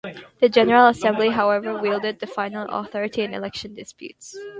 The General Assembly, however, wielded the final authority in election disputes.